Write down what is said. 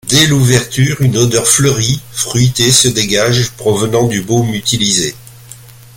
Dès l'ouverture une odeur fleurie, fruitée se dégage provenant du baume utilisé.